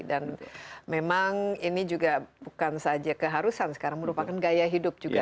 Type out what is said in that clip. dan memang ini juga bukan saja keharusan sekarang merupakan gaya hidup juga